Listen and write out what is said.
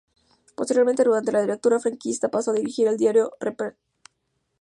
Posteriormente, durante la Dictadura franquista pasó a dirigir el diario vespertino "La Tarde".